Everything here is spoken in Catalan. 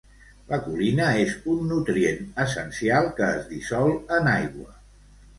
La colina és un nutrient essencial que es dissol en aigua.